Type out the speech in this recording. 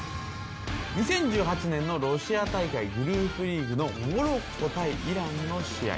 ２０１８年のロシア大会グループリーグのモロッコ対イランの試合。